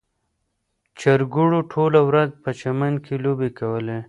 چرګوړو ټوله ورځ په چمن کې لوبې کولې.